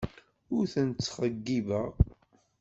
Ur ten-ttxeyyibeɣ.